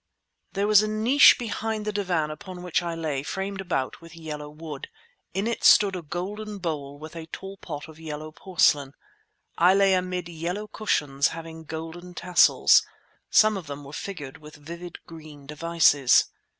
There was a niche behind the divan upon which I lay framed about with yellow wood. In it stood a golden bowl and a tall pot of yellow porcelain; I lay amid yellow cushions having golden tassels. Some of them were figured with vivid green devices.